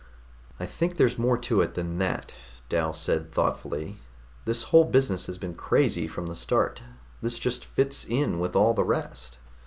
"I think there's more to it than that," Dal said thoughtfully. "This whole business has been crazy from the start. This just fits in with all the rest."